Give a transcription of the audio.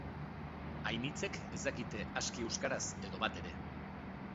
Ainitzek ez dakite aski euskaraz edo batere.